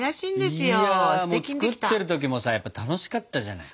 いやもう作ってる時もさやっぱ楽しかったじゃない。